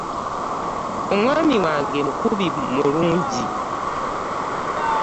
Omwami wange mukubi mulungi.